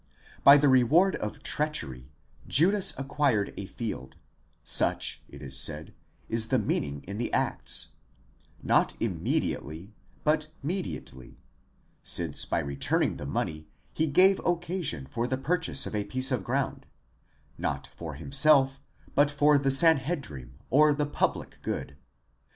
By the reward of treachery, Judas acquired a field—such, it is said, isthe meaning in the Acts—not immediately, but mediately ; since by returning the money he gave occasion for the purchase of a piece of ground ; not for himself, but for the Sanhedrim or the public good.!